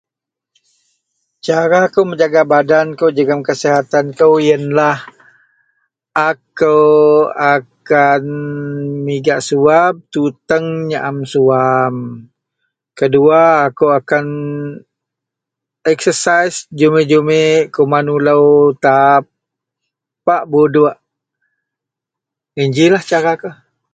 Cara kou menjaga badan kou jegem kesihatan kou iyen lah akou akan migak suwab tuteng nyaem suwam kedua akou akan eksasaih jumit-jumit kuman ulo tapak budok iyen ji lah cara kou.